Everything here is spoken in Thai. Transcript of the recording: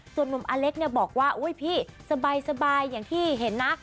ส่วนมุมอเล็กบอกว่าพี่สบายอย่างที่เห็นนะ